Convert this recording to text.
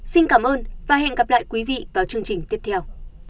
xin cảm ơn và hẹn gặp lại quý vị vào chương trình tiếp theo